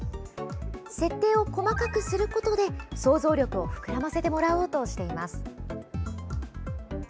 設定を細かくすることで想像力を膨らませてもらおうとしています。